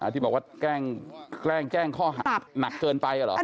ที่บอกว่าแกล้งแจ้งข้อหาหนักเกินไปเหรอ